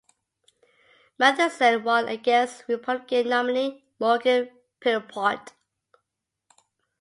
Matheson won against Republican nominee Morgan Philpot.